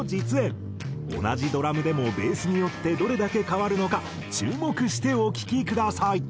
同じドラムでもベースによってどれだけ変わるのか注目してお聴きください。